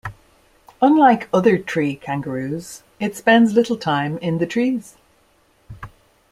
Unlike other tree kangaroos, it spends little time in the trees.